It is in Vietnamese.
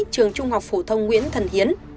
trường trung học phổ thông nguyễn thần hiến